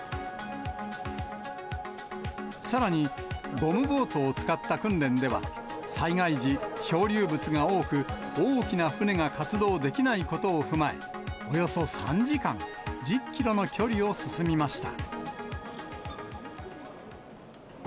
さらに、ゴムボートを使った訓練では、災害時、漂流物が多く、大きな船が活動できないことを踏まえ、およそ３時間、１０キロの距離を進みました。